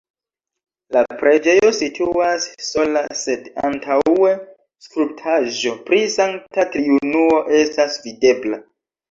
La preĝejo situas sola, sed antaŭe skulptaĵo pri Sankta Triunuo estas videbla.